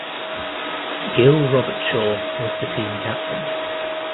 Gil Robertshaw was the team captain.